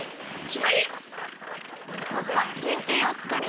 まずはめんつゆを作るよ。